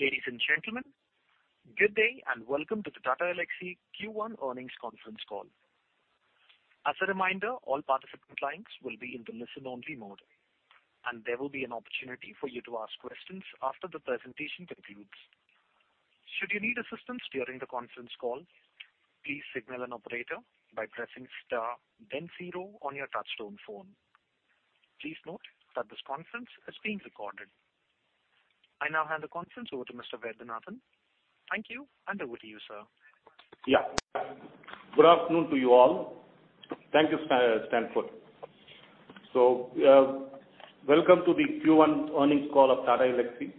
Ladies and gentlemen, good day and welcome to the Tata Elxsi Q1 earnings conference call. As a reminder, all participant lines will be in the listen only mode, and there will be an opportunity for you to ask questions after the presentation concludes. Should you need assistance during the conference call, please signal an operator by pressing star then zero on your touchtone phone. Please note that this conference is being recorded. I now hand the conference over to Mr. Vaidyanathan. Thank you, and over to you, sir. Yeah. Good afternoon to you all. Thank you, Stanford. Welcome to the Q1 earnings call of Tata Elxsi.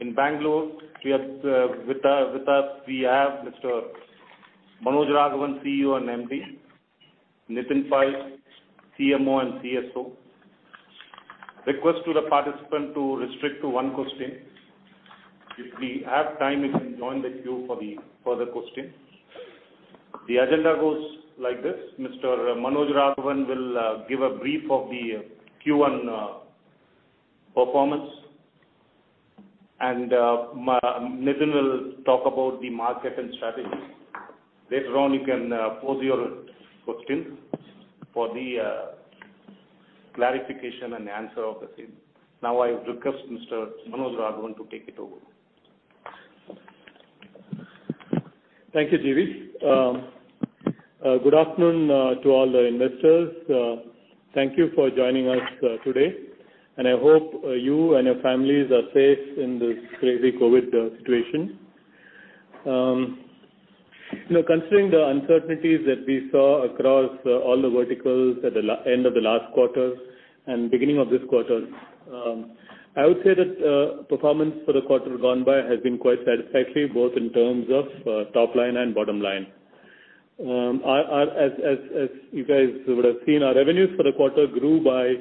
In Bangalore, with us, we have Mr. Manoj Raghavan, CEO and MD, Nitin Pai, CMO and CSO. Request to the participant to restrict to one question. If we have time you can join the queue for the further question. The agenda goes like this. Mr. Manoj Raghavan will give a brief of the Q1 performance. Nitin will talk about the market and strategies. Later on, you can pose your questions for the clarification and answer of the same. Now I request Mr. Manoj Raghavan to take it over. Thank you, G.V. Good afternoon to all the investors. Thank you for joining us today, and I hope you and your families are safe in this crazy COVID situation. Considering the uncertainties that we saw across all the verticals at the end of the last quarter and beginning of this quarter, I would say that performance for the quarter gone by has been quite satisfactory, both in terms of top line and bottom line. As you guys would have seen, our revenues for the quarter grew by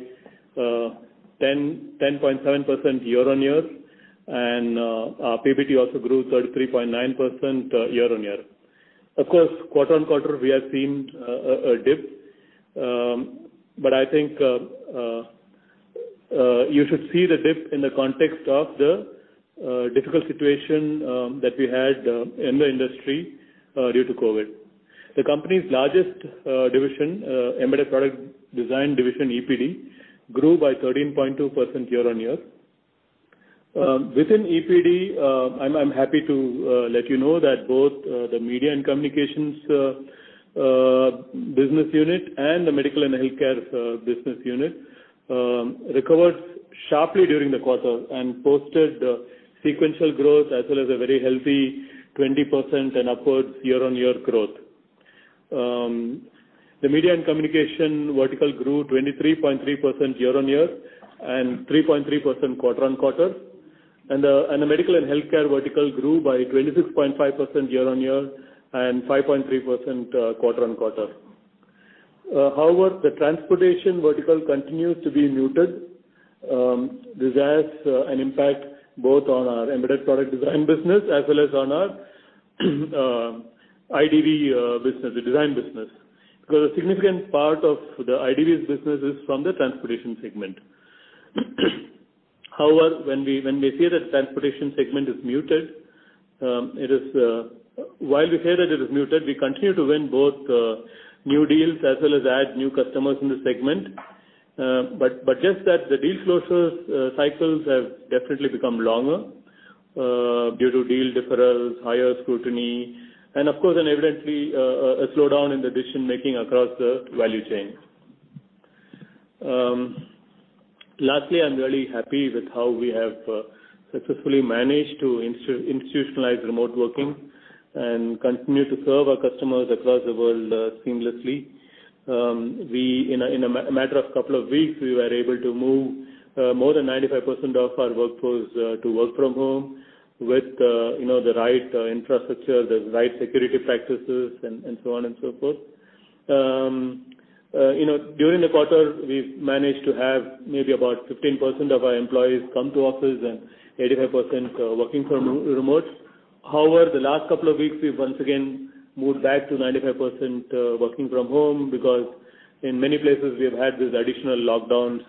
10.7% year-on-year, and our PBT also grew 33.9% year-on-year. Of course, quarter-on-quarter, we have seen a dip. I think you should see the dip in the context of the difficult situation that we had in the industry due to COVID. The company's largest division, Embedded Product Design division, EPD, grew by 13.2% year-on-year. Within EPD, I am happy to let you know that both the media and communications business unit and the medical and healthcare business unit recovered sharply during the quarter and posted sequential growth as well as a very healthy 20% and upwards year-on-year growth. The media and communication vertical grew 23.3% year-on-year and 3.3% quarter-on-quarter. The medical and healthcare vertical grew by 26.5% year-on-year and 5.3% quarter-on-quarter. However, the transportation vertical continues to be muted. This has an impact both on our embedded product design business as well as on our IDV business, the design business. A significant part of the IDV's business is from the transportation segment. However, when we say that transportation segment is muted, while we say that it is muted, we continue to win both new deals as well as add new customers in the segment. Just that the deal closure cycles have definitely become longer due to deal deferrals, higher scrutiny, and of course, and evidently, a slowdown in decision-making across the value chain. Lastly, I'm really happy with how we have successfully managed to institutionalize remote working and continue to serve our customers across the world seamlessly. In a matter of couple of weeks, we were able to move more than 95% of our workforce to work from home with the right infrastructure, the right security practices, and so on and so forth. During the quarter, we've managed to have maybe about 15% of our employees come to office and 85% working from remote. However, the last couple of weeks, we've once again moved back to 95% working from home because in many places we've had these additional lockdowns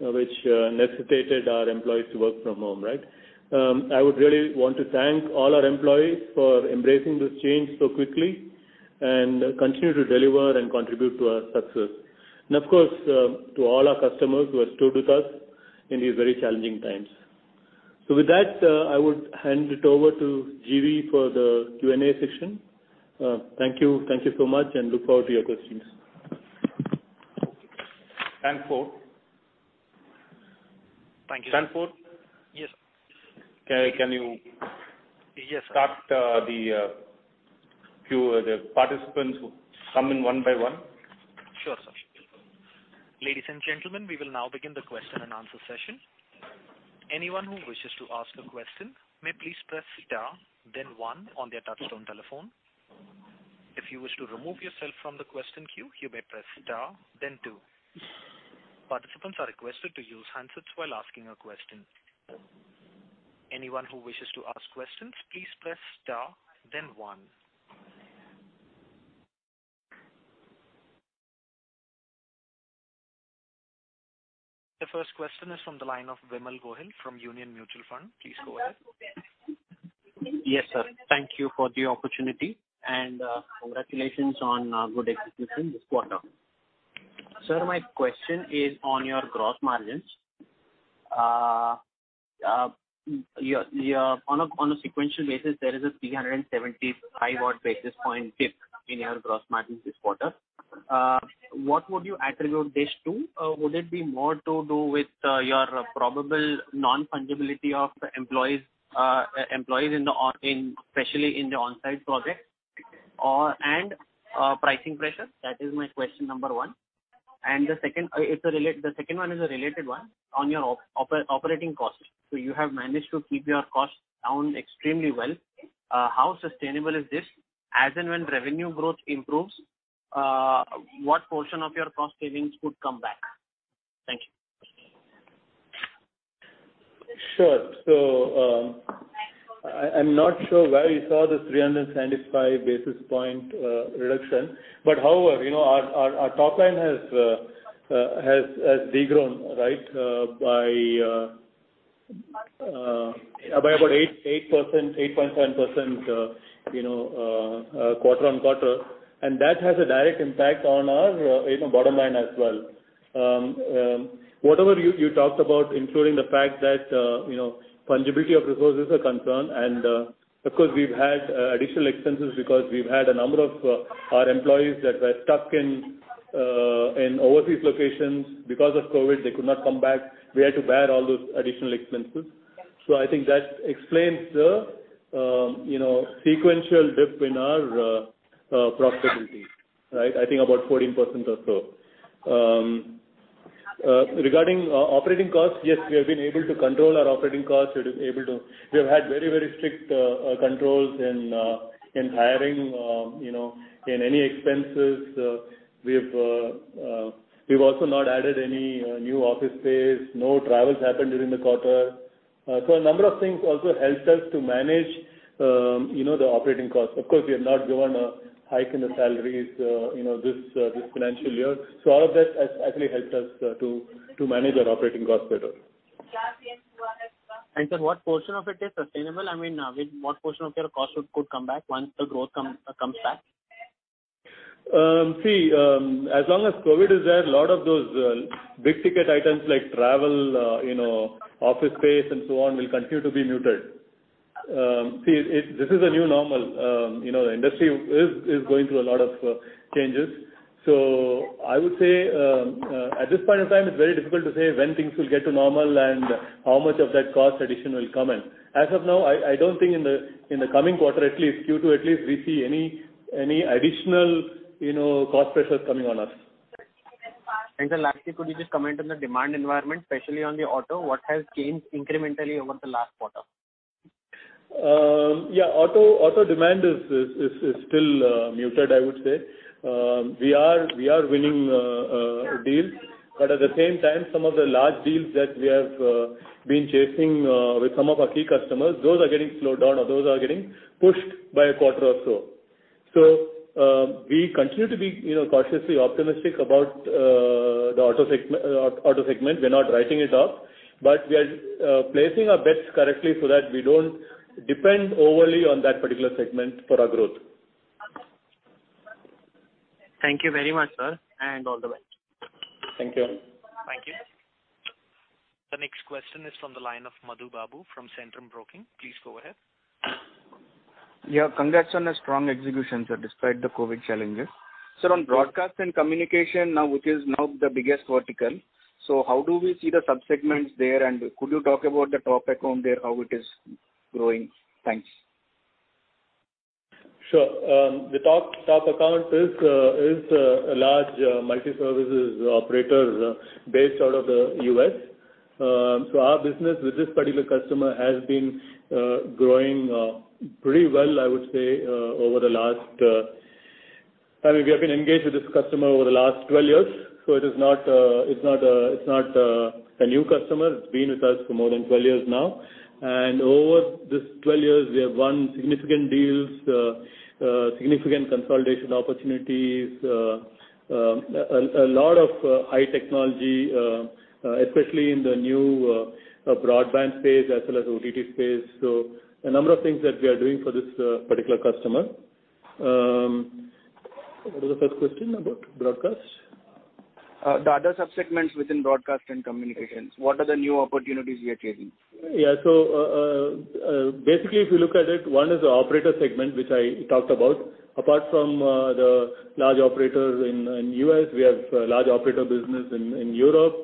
which necessitated our employees to work from home. I would really want to thank all our employees for embracing this change so quickly and continue to deliver and contribute to our success. Of course, to all our customers who have stood with us in these very challenging times. With that, I would hand it over to G.V. for the Q&A session. Thank you. Thank you so much, and look forward to your questions. Stanford? Thank you. Stanford? Yes. Can you- Yes start the queue, the participants who come in one by one? Sure, sir. Ladies and gentlemen, we will now begin the question and answer session. Anyone who wishes to ask a question may please press star, then 1 on their touch-tone telephone. If you wish to remove yourself from the question queue, you may press star then 2. Participants are requested to use handsets while asking a question. Anyone who wishes to ask questions, please press star then 1. The first question is from the line of Vimal Gohil from Union Mutual Fund. Please go ahead. Yes, sir. Thank you for the opportunity, and congratulations on a good execution this quarter. Sir, my question is on your gross margins. On a sequential basis, there is a 375 basis point dip in your gross margins this quarter. What would you attribute this to? Would it be more to do with your probable non-fungibility of employees, especially in the onsite project and pricing pressure? That is my question number one. The second one is a related one on your operating costs. You have managed to keep your costs down extremely well. How sustainable is this? As and when revenue growth improves, what portion of your cost savings would come back? Thank you. Sure. I'm not sure where you saw this 375 basis point reduction, however, our top line has de-grown, right, by about 8.7% quarter-on-quarter. That has a direct impact on our bottom line as well. Whatever you talked about, including the fact that fungibility of resources are concerned, of course, we've had additional expenses because we've had a number of our employees that were stuck in overseas locations. Because of COVID, they could not come back. We had to bear all those additional expenses. I think that explains the sequential dip in our profitability. I think about 14% or so. Regarding operating costs, yes, we have been able to control our operating costs. We have had very strict controls in hiring, in any expenses. We've also not added any new office space. No travels happened during the quarter. A number of things also helped us to manage the operating costs. Of course, we have not given a hike in the salaries this financial year. All of that has actually helped us to manage our operating costs better. Sir, what portion of it is sustainable? I mean, what portion of your cost could come back once the growth comes back? See, as long as COVID is there, a lot of those big-ticket items like travel, office space, and so on, will continue to be muted. See, this is a new normal. The industry is going through a lot of changes. I would say, at this point in time, it's very difficult to say when things will get to normal and how much of that cost addition will come in. As of now, I don't think in the coming quarter at least, Q2 at least, we see any additional cost pressures coming on us. Sir, lastly, could you just comment on the demand environment, especially on the auto? What has changed incrementally over the last quarter? Yeah. Auto demand is still muted, I would say. We are winning deals, but at the same time, some of the large deals that we have been chasing with some of our key customers, those are getting slowed down or those are getting pushed by a quarter or so. We continue to be cautiously optimistic about the auto segment. We're not writing it off. We are placing our bets correctly so that we don't depend overly on that particular segment for our growth. Thank you very much, sir. All the best. Thank you. Thank you. The next question is from the line of Madhu Babu from Centrum Broking. Please go ahead. Yeah. Congrats on a strong execution, sir, despite the COVID challenges. Sir, on broadcast and communication now, which is now the biggest vertical, how do we see the sub-segments there? Could you talk about the top account there, how it is growing? Thanks. Sure. The top account is a large multi-services operator based out of the U.S. Our business with this particular customer has been growing pretty well, I would say. We have been engaged with this customer over the last 12 years, so it's not a new customer. It's been with us for more than 12 years now. Over these 12 years, we have won significant deals, significant consolidation opportunities, a lot of high technology, especially in the new broadband space as well as OTT space. A number of things that we are doing for this particular customer. What was the first question about broadcast? The other sub-segments within broadcast and communications, what are the new opportunities you are chasing? Yeah. Basically, if you look at it, one is the operator segment, which I talked about. Apart from the large operators in U.S., we have large operator business in Europe.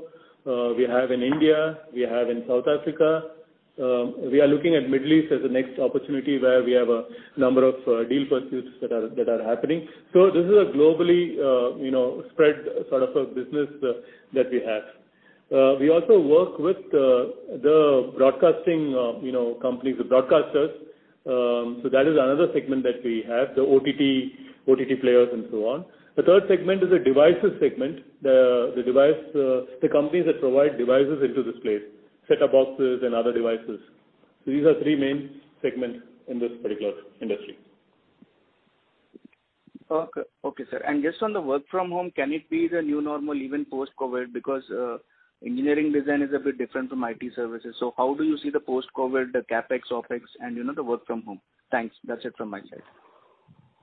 We have in India, we have in South Africa. We are looking at Middle East as the next opportunity where we have a number of deal pursuits that are happening. This is a globally spread sort of a business that we have. We also work with the broadcasting companies, the broadcasters. That is another segment that we have, the OTT players and so on. The third segment is a devices segment. The companies that provide devices into this place, set-top boxes and other devices. These are three main segments in this particular industry. Okay, sir. Just on the work from home, can it be the new normal, even post-COVID? Engineering design is a bit different from IT services. How do you see the post-COVID, the CapEx, OpEx, and the work from home? Thanks. That's it from my side.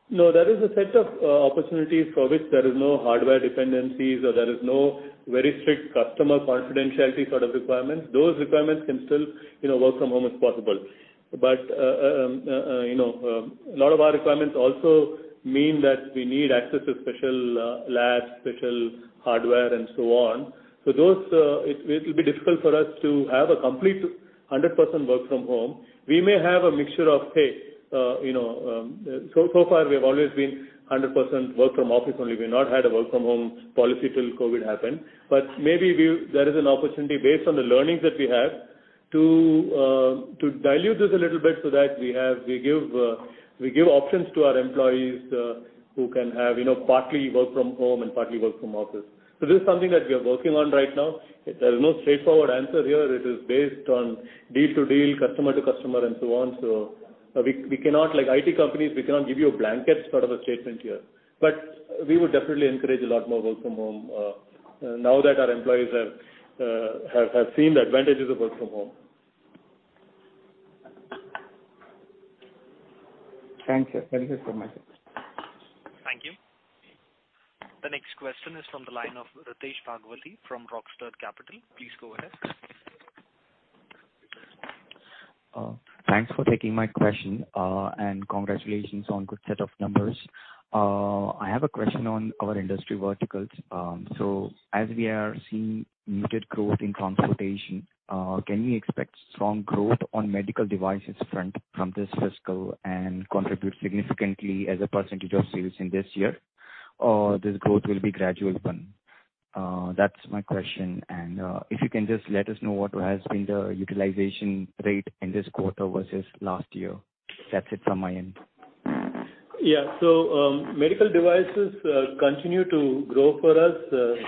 There is a set of opportunities for which there is no hardware dependencies or there is no very strict customer confidentiality sort of requirements. Those requirements can still work from home if possible. A lot of our requirements also mean that we need access to special labs, special hardware, and so on. Those, it'll be difficult for us to have a complete 100% work from home. We may have a mixture of, hey, so far we've always been 100% work from office only. We've not had a work from home policy till COVID happened. Maybe there is an opportunity based on the learnings that we have to dilute this a little bit so that we give options to our employees who can have partly work from home and partly work from office. This is something that we are working on right now. There's no straightforward answer here. It is based on deal to deal, customer to customer, and so on. Like IT companies, we cannot give you a blanket sort of a statement here. We would definitely encourage a lot more work from home now that our employees have seen the advantages of work from home. Thanks, sir. Thank you so much. Thank you. The next question is from the line of Ritesh Bhagwati from Rockstone Capital. Please go ahead. Thanks for taking my question, and congratulations on good set of numbers. I have a question on our industry verticals. As we are seeing muted growth in transportation, can we expect strong growth on medical devices front from this fiscal and contribute significantly as a percentage of sales in this year? This growth will be gradual one? That's my question, and if you can just let us know what has been the utilization rate in this quarter versus last year. That's it from my end. Yeah. Medical devices continue to grow for us.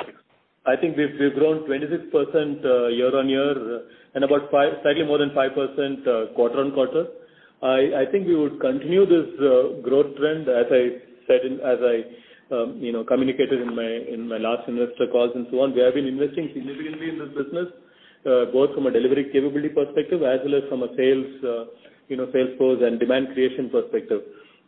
I think we've grown 26% year-on-year and about slightly more than 5% quarter-on-quarter. I think we would continue this growth trend. As I communicated in my last investor calls and so on, we have been investing significantly in this business. Both from a delivery capability perspective as well as from a sales force and demand creation perspective.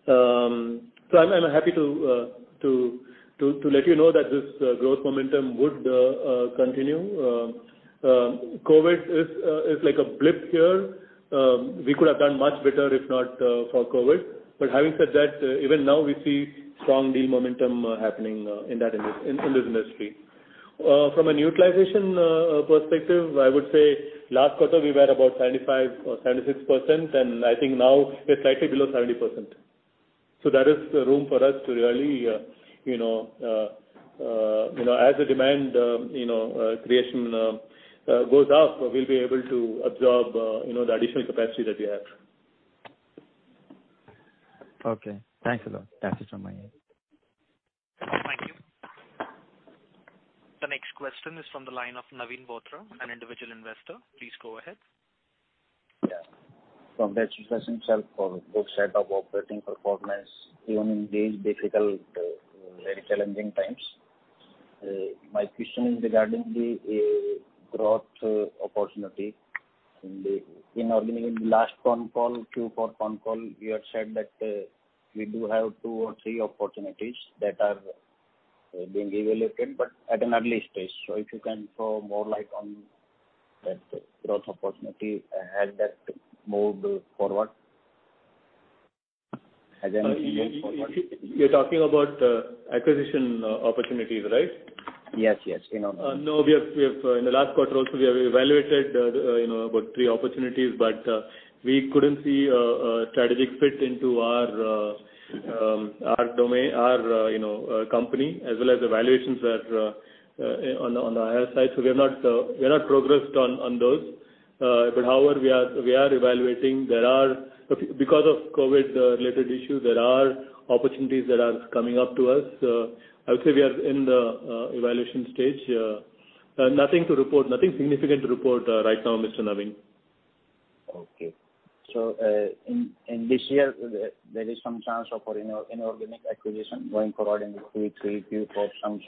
I'm happy to let you know that this growth momentum would continue. COVID is like a blip here. We could have done much better if not for COVID. Having said that, even now we see strong deal momentum happening in this industry. From a utilization perspective, I would say last quarter we were about 75% or 76%, and I think now we're slightly below 70%. There is room for us to really, as the demand creation goes up, we'll be able to absorb the additional capacity that we have. Okay. Thanks a lot. That's it from my end. Thank you. The next question is from the line of Naveen Bothra, an individual investor. Please go ahead. Congratulations, sir, for good set of operating performance, even in these difficult, very challenging times. My question is regarding the growth opportunity. In organic last conf call, Q4 conf call, you had said that we do have two or three opportunities that are being evaluated, but at an an early stage. If you can throw more light on that growth opportunity and has that moved forward? You're talking about acquisition opportunities, right? Yes. No, in the last quarter also, we have evaluated about three opportunities, but we couldn't see a strategic fit into our company as well as the valuations on the higher side. We have not progressed on those. However, we are evaluating. Because of COVID-related issues, there are opportunities that are coming up to us. I would say we are in the evaluation stage. Nothing significant to report right now, Mr. Naveen. Okay. In this year, there is some chance of inorganic acquisition going forward in Q3, Q4.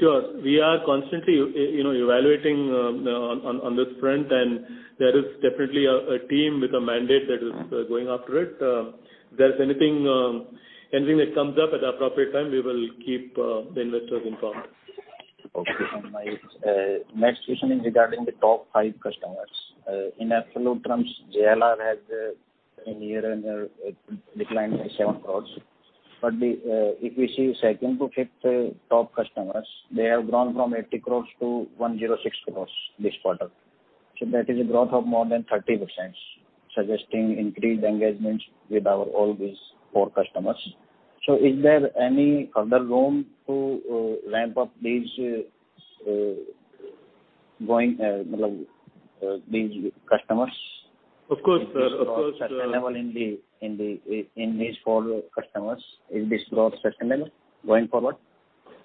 Sure. We are constantly evaluating on this front, and there is definitely a team with a mandate that is going after it. If there's anything that comes up, at appropriate time, we will keep the investors informed. Okay. My next question is regarding the top five customers. In absolute terms, JLR has, in year-over-year, declined by 7 crores. If we see second to fifth top customers, they have grown from 80 crores to 106 crores this quarter. That is a growth of more than 30%, suggesting increased engagements with our all these four customers. Is there any further room to ramp up these customers? Of course. Is this growth sustainable in these four customers? Is this growth sustainable going forward?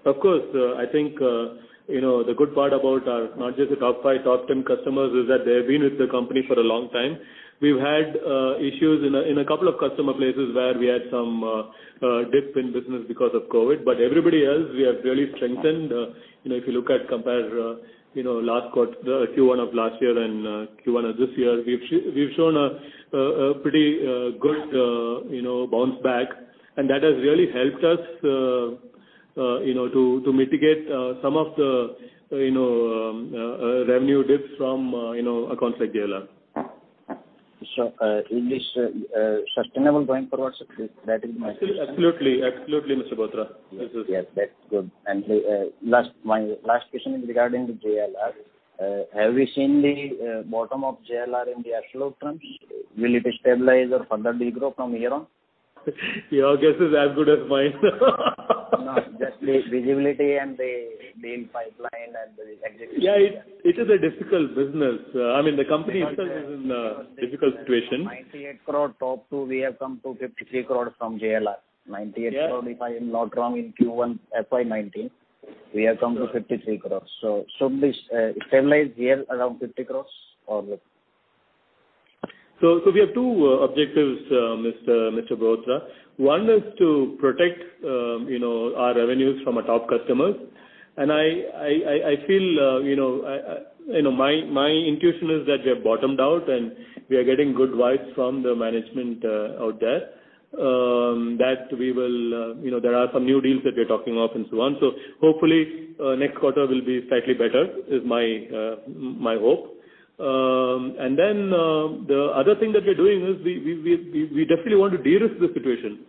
Of course. I think the good part about our, not just our top five, top 10 customers, is that they've been with the company for a long time. We've had issues in a couple of customer places where we had some dip in business because of COVID. Everybody else, we have really strengthened. If you look at Q1 of last year and Q1 of this year, we've shown a pretty good bounce back. That has really helped us to mitigate some of the revenue dips from accounts like JLR. Is this sustainable going forward, sir? That is my question. Absolutely. Absolutely, Mr. Bothra. Yes. That's good. My last question is regarding the JLR. Have we seen the bottom of JLR in the absolute terms? Will it stabilize or further de-grow from here on? Your guess is as good as mine. No. Just the visibility and the deal pipeline and the execution. Yeah, it is a difficult business. The company itself is in a difficult situation. 98 crore top two, we have come to 53 crore from JLR. Yeah If I am not wrong, in Q1 FY 2019, we have come to 53 crore. Should we stabilize here around 50 crore, or what? We have two objectives, Mr. Bothra. One is to protect our revenues from our top customers. I feel my intuition is that we have bottomed out, and we are getting good vibes from the management out there, that there are some new deals that we're talking of and so on. Hopefully, next quarter will be slightly better, is my hope. The other thing that we're doing is, we definitely want to de-risk the situation.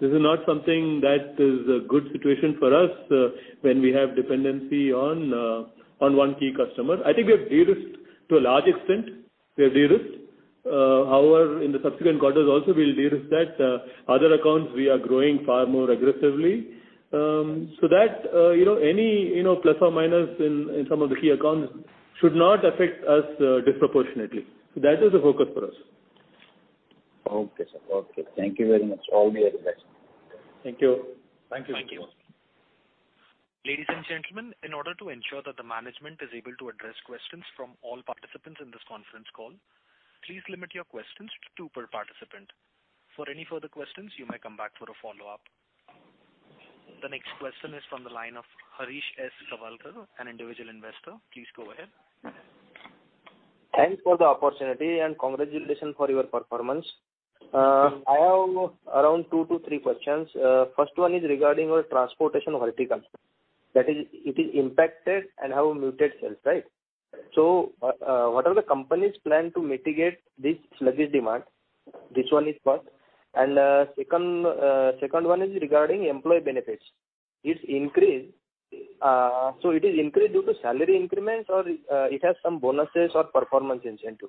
This is not something that is a good situation for us, when we have dependency on one key customer. I think we have de-risked to a large extent. We have de-risked. However, in the subsequent quarters also, we'll de-risk that. Other accounts, we are growing far more aggressively. That any plus or minus in some of the key accounts should not affect us disproportionately. That is the focus for us. Okay, sir. Thank you very much. All the very best. Thank you. Thank you. Ladies and gentlemen, in order to ensure that the management is able to address questions from all participants in this conference call, please limit your questions to two per participant. For any further questions, you may come back for a follow-up. The next question is from the line of Harish S Kawalkar, an individual investor. Please go ahead. Thanks for the opportunity, congratulations for your performance. I have around two to three questions. First one is regarding your transportation verticals. That is, it is impacted, and have muted sales, right? What are the company's plan to mitigate this sluggish demand? This one is first. Second one is regarding employee benefits. It's increased. It is increased due to salary increments, or it has some bonuses or performance incentive?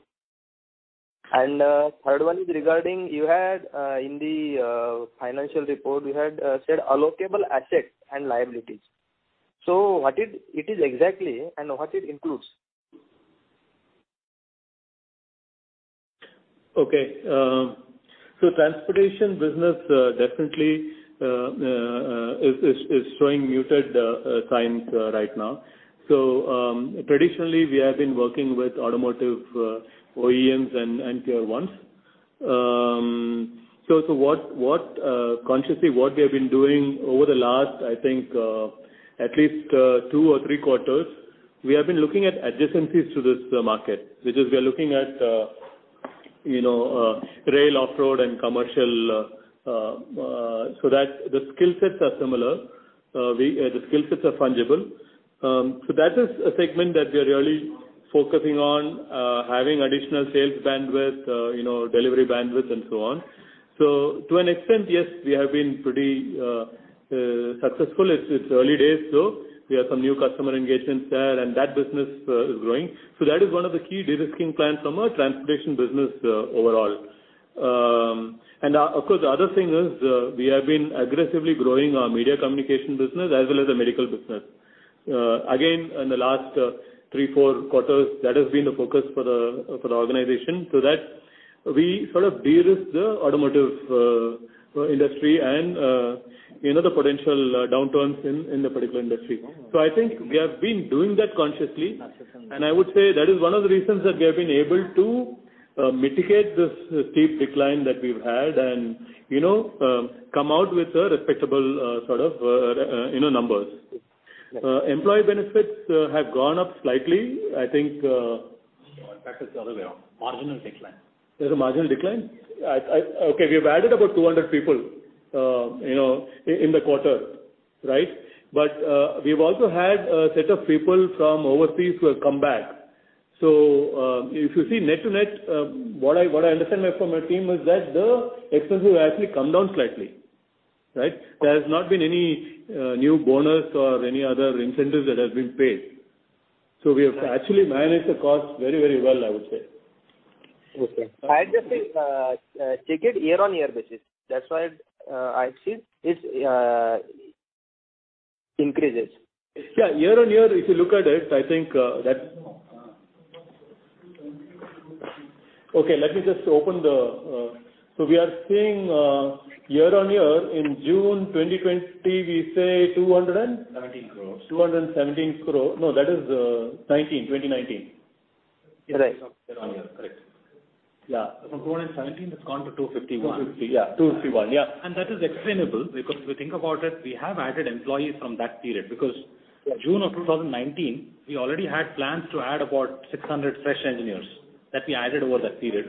Third one is regarding, in the financial report, you had said allocable assets and liabilities. What it is exactly, and what it includes? Transportation business definitely is showing muted signs right now. Traditionally, we have been working with automotive OEMs and Tier 1s. Consciously, what we have been doing over the last, I think, at least two or three quarters, we have been looking at adjacencies to this market, which is we are looking at rail, off-road and commercial, so that the skill sets are similar, the skill sets are fungible. That is a segment that we are really focusing on, having additional sales bandwidth, delivery bandwidth and so on. To an extent, yes, we have been pretty successful. It's early days though. We have some new customer engagements there, and that business is growing. That is one of the key de-risking plans from our transportation business overall. Of course, the other thing is, we have been aggressively growing our media communication business as well as the medical business. In the last three, four quarters, that has been the focus for the organization, so that we sort of de-risk the automotive industry and the potential downturns in the particular industry. I think we have been doing that consciously, and I would say that is one of the reasons that we have been able to mitigate this steep decline that we've had and come out with respectable numbers. Employee benefits have gone up slightly. In fact, it's the other way around. Marginal decline. There's a marginal decline? Okay. We've added about 200 people in the quarter. Right? We've also had a set of people from overseas who have come back. If you see net-to-net, what I understand from my team is that the expenses have actually come down slightly. Right? There has not been any new bonus or any other incentives that have been paid. We have actually managed the cost very, very well, I would say. Okay. I had just seen, check it year-on-year basis. That's why I see this increases. Yeah. Year-on-year, if you look at it, Okay, let me just open the. We are seeing year-on-year in June 2020. 17 crores. 217 crores. No, that is 2019. Yes. Year-on-year. Correct. Yeah. From 217, it's gone to 251. Yeah. 251. Yeah. That is explainable because if we think about it, we have added employees from that period, because June of 2019, we already had plans to add about 600 fresh engineers that we added over that period.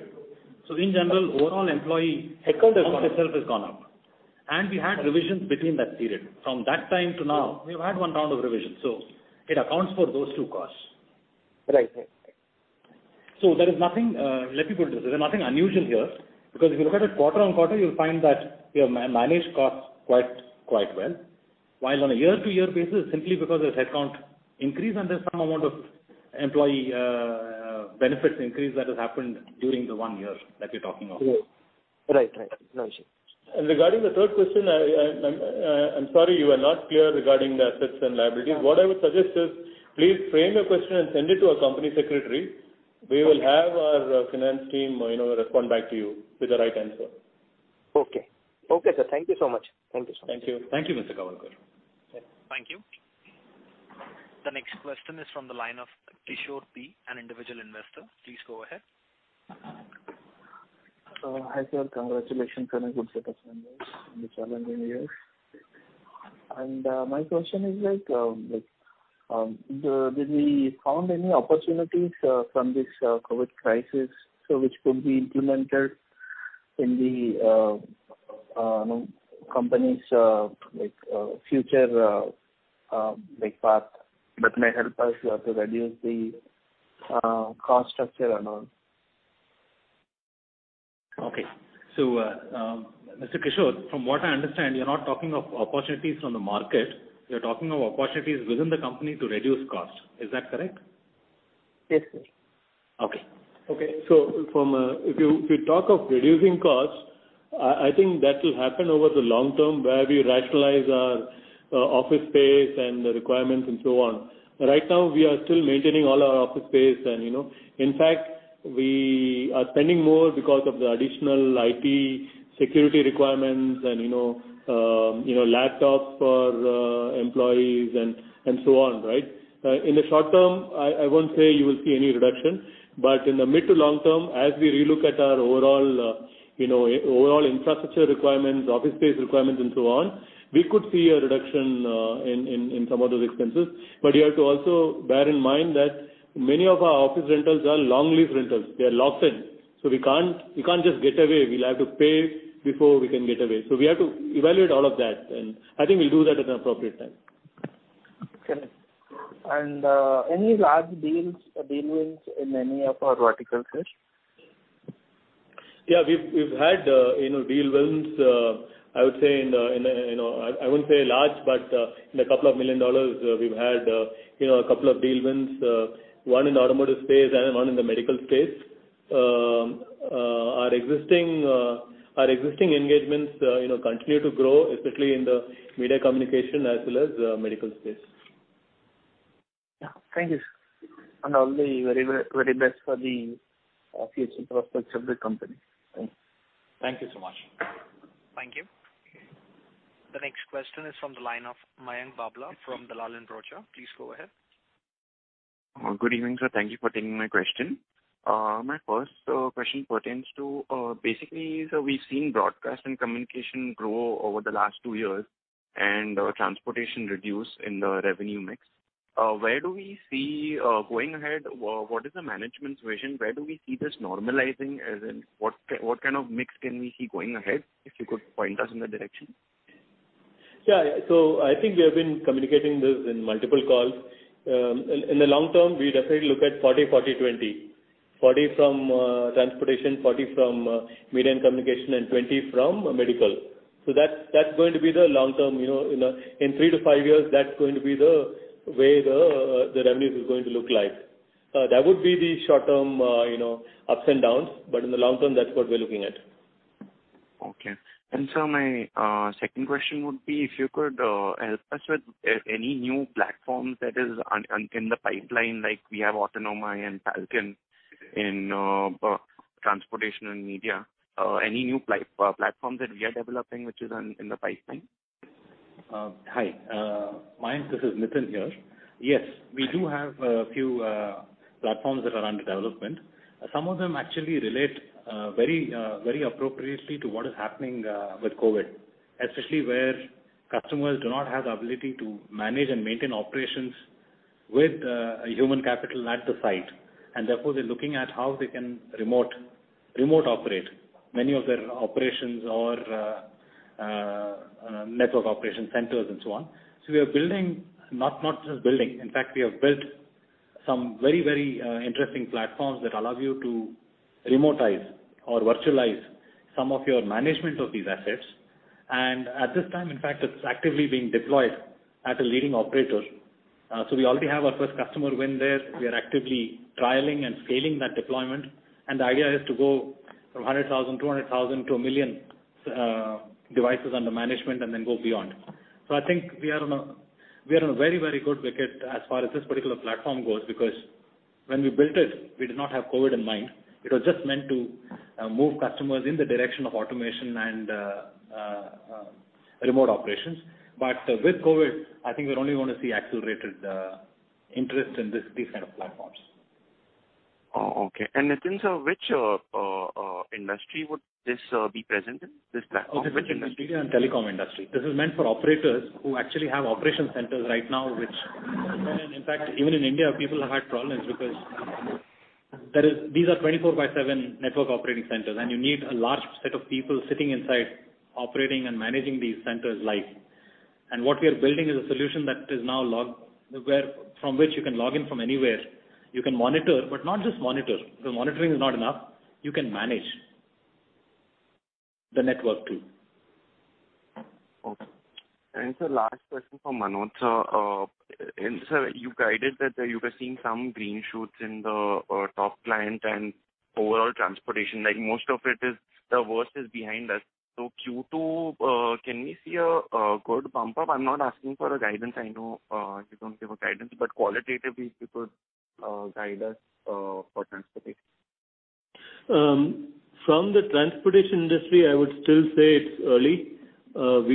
In general, overall employee headcount itself has gone up. We had revisions between that period. From that time to now, we've had one round of revision, so it accounts for those two costs. Right. Let me put it this way, there's nothing unusual here, because if you look at it quarter-on-quarter, you'll find that we have managed costs quite well. On a year-to-year basis, simply because there's headcount increase and there's some amount of employee benefits increase that has happened during the one year that we're talking of. Right. No issue. Regarding the third question, I'm sorry you were not clear regarding the assets and liabilities. What I would suggest is please frame your question and send it to our company secretary. We will have our finance team respond back to you with the right answer. Okay. Okay, sir. Thank you so much. Thank you. Thank you, Mr. Kawalkar. Thank you. The next question is from the line of Kishore P, an individual investor. Please go ahead. Hi, sir. Congratulations on a good set of numbers in the challenging years. My question is, did we found any opportunities from this COVID crisis which could be implemented in the company's future path that may help us to reduce the cost structure amount? Okay. Mr. Kishore, from what I understand, you're not talking of opportunities from the market. You're talking of opportunities within the company to reduce cost. Is that correct? Yes, sir. Okay. Okay. If you talk of reducing cost, I think that will happen over the long term where we rationalize our office space and the requirements and so on. Right now, we are still maintaining all our office space. In fact, we are spending more because of the additional IT security requirements and laptops for employees and so on, right? In the short term, I won't say you will see any reduction, but in the mid to long term, as we relook at our overall infrastructure requirements, office space requirements and so on, we could see a reduction in some of those expenses. You have to also bear in mind that many of our office rentals are long lease rentals. They are locked in. We can't just get away. We'll have to pay before we can get away. We have to evaluate all of that, and I think we'll do that at an appropriate time. Okay. Any large deal wins in any of our verticals? Yeah, we've had deal wins, I wouldn't say large, but in a couple of million dollars, we've had a couple of deal wins, one in automotive space and one in the medical space. Our existing engagements continue to grow, especially in the media communication as well as medical space. Yeah. Thank you, sir. All the very best for the future prospects of the company. Thanks. Thank you so much. Thank you. The next question is from the line of Mayank Babla from Dalal & Broacha. Please go ahead. Good evening, sir. Thank you for taking my question. My first question pertains to, basically, sir, we've seen broadcast and communication grow over the last two years and our transportation reduce in the revenue mix. Where do we see, going ahead, what is the management's vision? Where do we see this normalizing as in, what kind of mix can we see going ahead? If you could point us in that direction. I think we have been communicating this in multiple calls. In the long term, we definitely look at 40-40-20. 40 from transportation, 40 from media and communication, and 20 from medical. That's going to be the long term. In three to five years, that's going to be the way the revenue is going to look like. There would be the short term ups and downs, but in the long term, that's what we're looking at. Okay. Sir, my second question would be if you could help us with any new platforms that is in the pipeline, like we have Autonomai and TALKIN in transportation and media. Any new platforms that we are developing which is in the pipeline? Hi. Mayank, this is Nitin here. Yes, we do have a few platforms that are under development. Some of them actually relate very appropriately to what is happening with COVID, especially where customers do not have the ability to manage and maintain operations with human capital at the site. Therefore, they're looking at how they can remote operate many of their operations or network operation centers and so on. We are building, not just building, in fact, we have built some very interesting platforms that allow you to remotize or virtualize some of your management of these assets. At this time, in fact, it's actively being deployed at a leading operator. We already have our first customer win there. We are actively trialing and scaling that deployment. The idea is to go. From 100,000, 200,000 to a million devices under management and then go beyond. I think we are on a very, very good wicket as far as this particular platform goes, because when we built it, we did not have COVID in mind. It was just meant to move customers in the direction of automation and remote operations. With COVID, I think we're only going to see accelerated interest in these kind of platforms. Oh, okay. Nitin sir, which industry would this be present in, this platform? Media and telecom industry. This is meant for operators who actually have operation centers right now, which in fact, even in India, people have had problems because these are 24 by seven network operating centers, and you need a large set of people sitting inside, operating and managing these centers live. What we are building is a solution from which you can log in from anywhere, you can monitor, but not just monitor, because monitoring is not enough. You can manage the network too. Okay. Sir, last question from Manoj. Sir, you guided that you were seeing some green shoots in the top client and overall transportation, like most of it is the worst is behind us. Q2, can we see a good pump up? I'm not asking for a guidance. I know you don't give a guidance, but qualitatively, if you could guide us for transportation. From the transportation industry, I would still say it's early. Of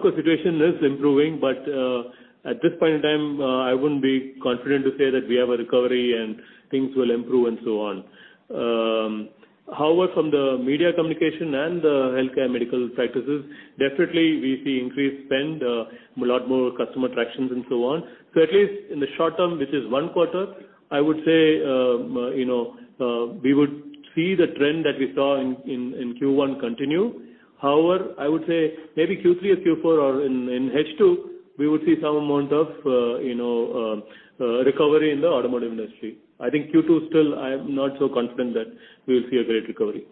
course, situation is improving, at this point in time, I wouldn't be confident to say that we have a recovery and things will improve and so on. From the media communication and the healthcare medical practices, definitely we see increased spend, a lot more customer tractions and so on. At least in the short term, which is one quarter, I would say we would see the trend that we saw in Q1 continue. I would say maybe Q3 or Q4 or in H2, we would see some amount of recovery in the automotive industry. I think Q2 still, I am not so confident that we will see a great recovery.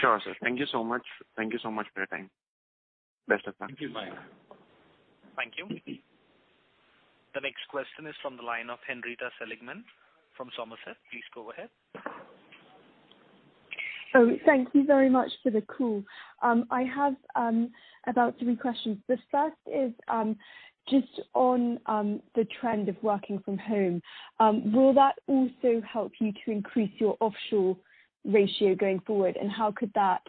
Sure, sir. Thank you so much for your time. Best of luck. Thank you. Bye. Thank you. The next question is from the line of Henrietta Seligman from Somerset. Please go ahead. Thank you very much for the call. I have about three questions. The first is just on the trend of working from home. Will that also help you to increase your offshore ratio going forward, and how could that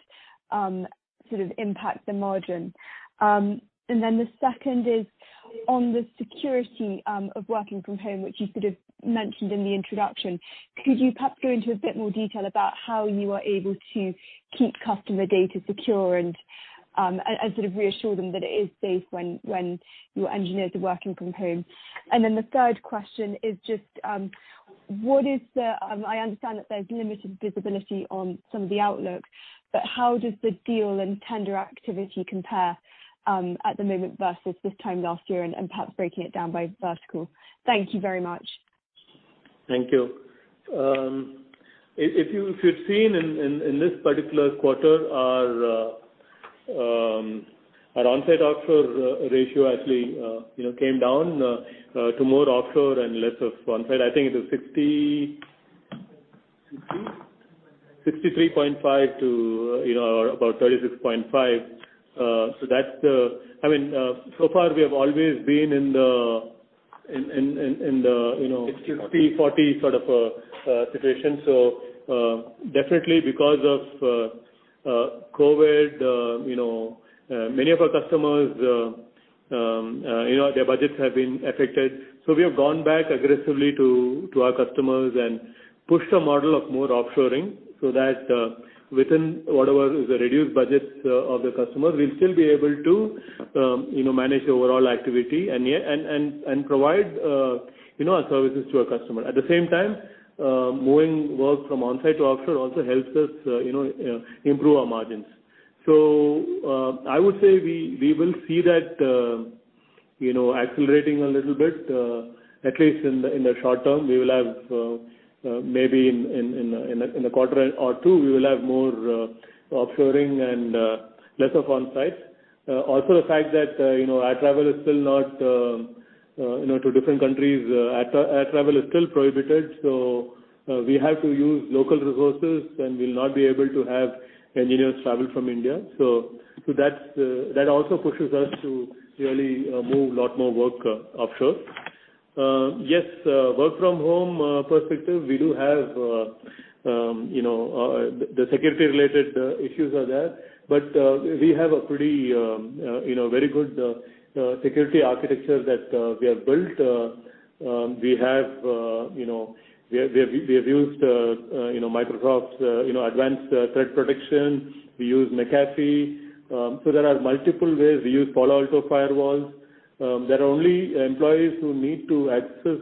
impact the margin? The second is on the security of working from home, which you sort of mentioned in the introduction. Could you perhaps go into a bit more detail about how you are able to keep customer data secure and sort of reassure them that it is safe when your engineers are working from home? The third question is just, I understand that there's limited visibility on some of the outlooks, but how does the deal and tender activity compare at the moment versus this time last year and perhaps breaking it down by vertical? Thank you very much. Thank you. If you've seen in this particular quarter, our onsite-offshore ratio actually came down to more offshore and less of onsite. I think it was 63.5 to about 36.5. 60/40 60/40 sort of a situation. Definitely because of COVID, many of our customers, their budgets have been affected. We have gone back aggressively to our customers and pushed a model of more offshoring so that within whatever is the reduced budgets of the customers, we'll still be able to manage the overall activity and provide our services to our customer. At the same time, moving work from onsite to offshore also helps us improve our margins. I would say we will see that accelerating a little bit. At least in the short term, maybe in a quarter or two, we will have more offshoring and less of onsite. Also, the fact that air travel to different countries is still prohibited, so we have to use local resources, and we'll not be able to have engineers travel from India. That also pushes us to really move a lot more work offshore. Yes, work from home perspective, we do have the security-related issues are there. We have a very good security architecture that we have built. We have used Microsoft's Advanced Threat Protection. We use McAfee. There are multiple ways. We use Palo Alto firewalls. There are only employees who need to access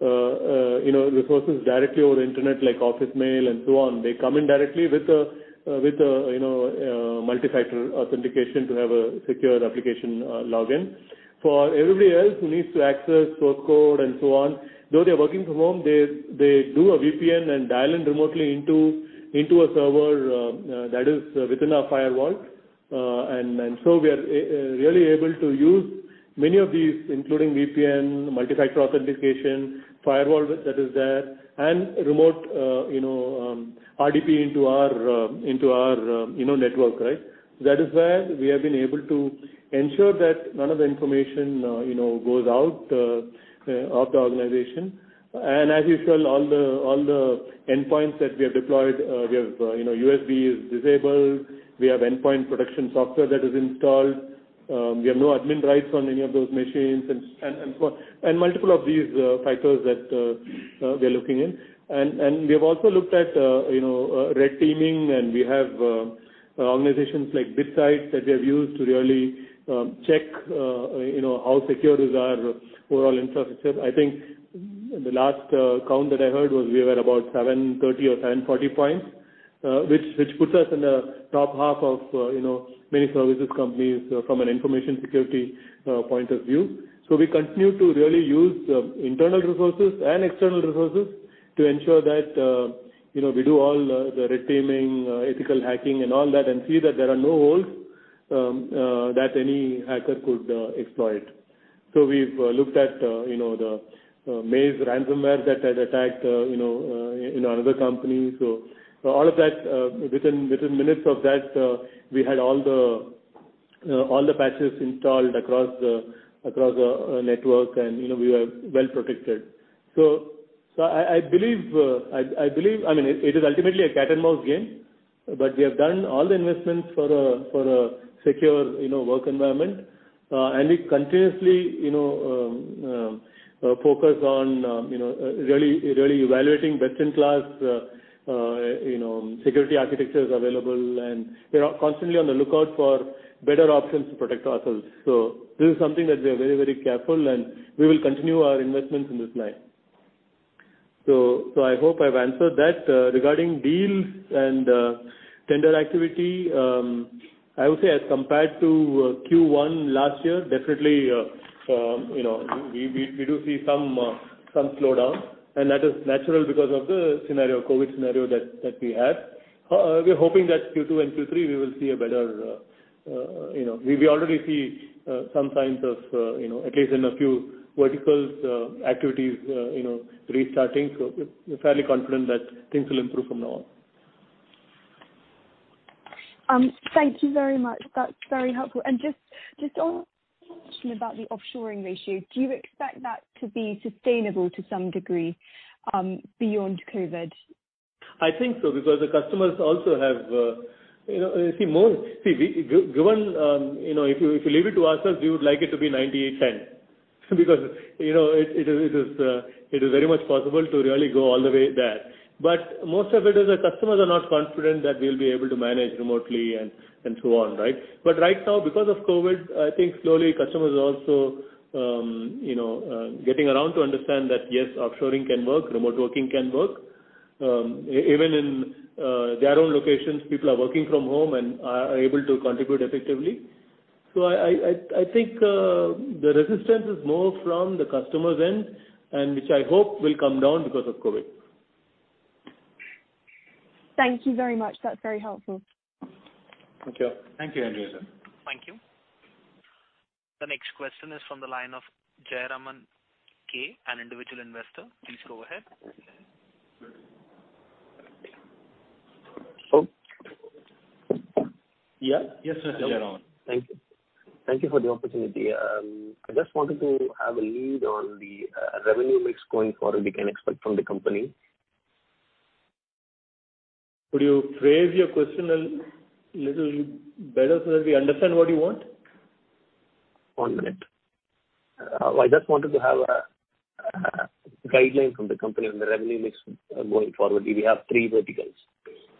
resources directly over internet, like office mail and so on. They come in directly with a multi-factor authentication to have a secure application login. For everybody else who needs to access source code and so on, though they're working from home, they do a VPN and dial in remotely into a server that is within our firewall. We are really able to use many of these, including VPN, multi-factor authentication, firewall that is there, and remote RDP into our network. That is where we have been able to ensure that none of the information goes out of the organization. As you saw, all the endpoints that we have deployed, USB is disabled, we have endpoint protection software that is installed. We have no admin rights on any of those machines, and multiple of these factors that they're looking in. We have also looked at red teaming, and we have organizations like BitSight that we have used to really check how secure is our overall infrastructure. I think the last count that I heard was we were about 730 or 740 points, which puts us in the top half of many services companies from an information security point of view. We continue to really use internal resources and external resources to ensure that we do all the red teaming, ethical hacking, and all that, and see that there are no holes that any hacker could exploit. We've looked at the Maze ransomware that had attacked another company. All of that, within minutes of that, we had all the patches installed across the network, and we were well protected. I believe it is ultimately a cat and mouse game, but we have done all the investments for a secure work environment. We continuously focus on really evaluating best-in-class security architectures available, and we are constantly on the lookout for better options to protect ourselves. This is something that we are very, very careful, and we will continue our investments in this line. I hope I've answered that. Regarding deals and tender activity, I would say as compared to Q1 last year, definitely we do see some slowdown, that is natural because of the COVID scenario that we had. We already see some signs of, at least in a few verticals, activities restarting. We're fairly confident that things will improve from now on. Thank you very much. That's very helpful. Just one question about the offshoring ratio. Do you expect that to be sustainable to some degree beyond COVID? I think so because the customers also have-- If you leave it to ourselves, we would like it to be 98/2. Because it is very much possible to really go all the way there. Most of it is that customers are not confident that we'll be able to manage remotely and so on. Right now, because of COVID, I think slowly customers are also getting around to understand that, yes, offshoring can work, remote working can work. Even in their own locations, people are working from home and are able to contribute effectively. I think the resistance is more from the customer's end, and which I hope will come down because of COVID. Thank you very much. That's very helpful. Thank you. Thank you, Henrietta. Thank you. The next question is from the line of K Jayaraman, an individual investor. Please go ahead. Yes, Mr. Jayaraman. Thank you. Thank you for the opportunity. I just wanted to have a lead on the revenue mix going forward we can expect from the company. Could you phrase your question a little better so that we understand what you want? One minute. I just wanted to have a guideline from the company on the revenue mix going forward. We have three verticals.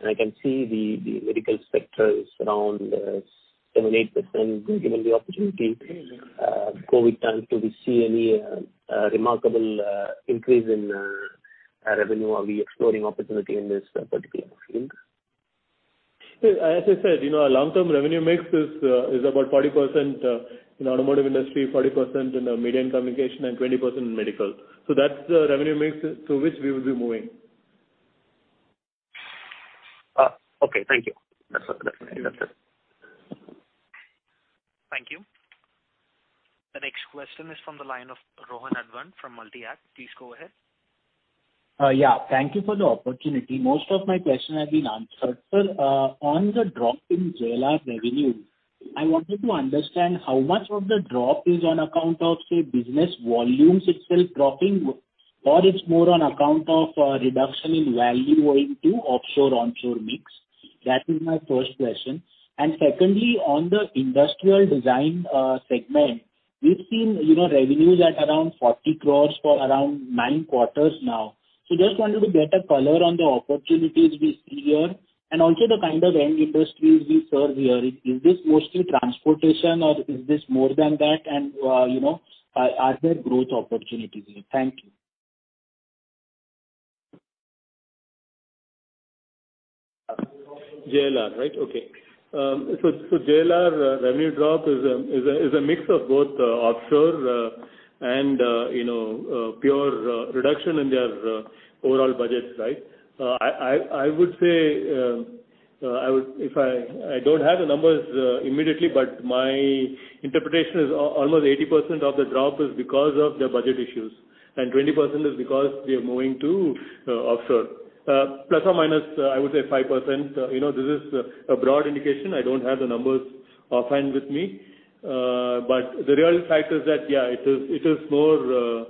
I can see the medical sector is around seven, eight%. Given the opportunity, COVID time, do we see any remarkable increase in revenue? Are we exploring opportunity in this particular field? As I said, our long-term revenue mix is about 40% in automotive industry, 40% in media and communication, and 20% in medical. That's the revenue mix to which we will be moving. Okay. Thank you. That's it. Thank you. The next question is from the line of Rohan Advani from Multi-Act. Please go ahead. Yeah, thank you for the opportunity. Most of my question has been answered. Sir, on the drop in JLR revenue, I wanted to understand how much of the drop is on account of, say, business volumes itself dropping, or it's more on account of a reduction in value owing to offshore-onshore mix. That is my first question. Secondly, on the industrial design segment, we've seen revenues at around 40 crores for around nine quarters now. Just wanted a better color on the opportunities we see here, and also the kind of end industries we serve here. Is this mostly transportation, or is this more than that? Are there growth opportunities here? Thank you. JLR, right? Okay. JLR revenue drop is a mix of both offshore and pure reduction in their overall budgets. I would say I don't have the numbers immediately, but my interpretation is almost 80% of the drop is because of the budget issues, and 20% is because we are moving to offshore. Plus or minus, I would say 5%. This is a broad indication. I don't have the numbers upfront with me. The real fact is that, yeah, it is more